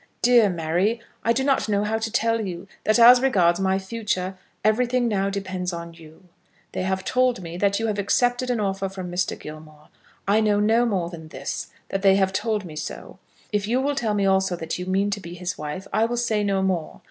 Dear Mary, I do not know how to tell you, that as regards my future everything now depends on you. They have told me that you have accepted an offer from Mr. Gilmore. I know no more than this, that they have told me so. If you will tell me also that you mean to be his wife, I will say no more.